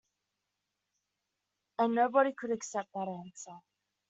And nobody could accept that answer.